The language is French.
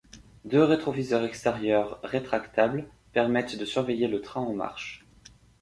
Deux rétroviseurs extérieurs rétractables permettent de surveiller le train en marche.